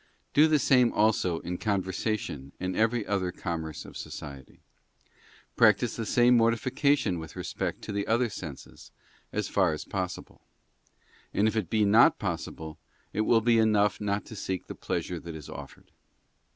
Do the same also in conversation and every ; other commerce of society. Practise the same mortification ' with respect to the other senses, as far as possible; and if ; it be not possible, it will be enough not to seek the pleasure ; that is offered.